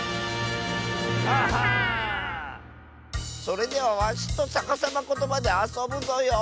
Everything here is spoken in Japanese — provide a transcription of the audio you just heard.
それではわしとさかさまことばであそぶぞよ。